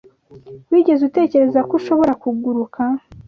Wigeze utekereza ko ushobora kuguruka?